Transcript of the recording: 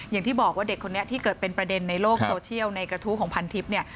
อย่างที่บอกว่าเด็กคนนี้ที่เกิดเป็นประเด็นในโลกโซเชียลในกระทู้ของพันทิพย์เนี่ย